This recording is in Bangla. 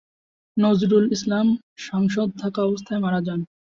নজরুল ইসলাম সাংসদ থাকা অবস্থায় মারা যান।